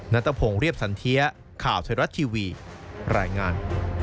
นัทพงศ์เรียบสันเทียข่าวไทยรัฐทีวีรายงาน